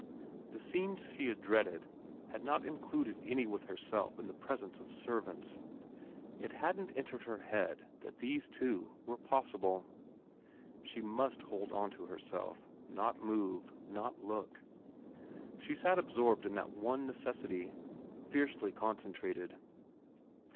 The scenes she had dreaded had not included any with herself in the presence of servants. It hadn't entered her head that these, too, were possible. She must hold on to herself ; not move ; not look. She sat absorbed in that one necessity, fiercely con centrated.